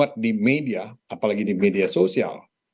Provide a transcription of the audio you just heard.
banyak yang dimulai di media apalagi di media sosial